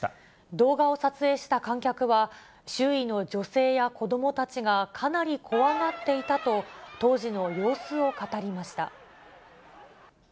動画を撮影した観客は、周囲の女性や子どもたちがかなり怖がっていたと、当時の様子を語りました。